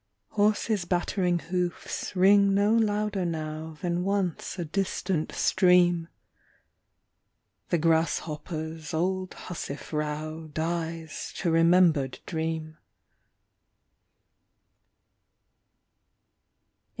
, Horses' battering hoofs Ring no louder now Than once a distant stream. The grasshopper's old hussif row Dies to remembered dream.